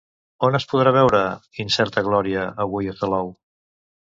On es podrà veure "Incerta glòria" avui a Salou?